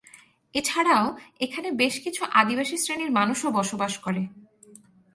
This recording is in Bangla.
এছাড়াও এখানে বেশ কিছু আদিবাসী শ্রেণীর মানুষও বসবাস করে।